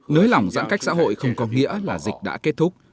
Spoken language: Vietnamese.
nới lỏng giãn cách xã hội không có nghĩa là dịch đã kết thúc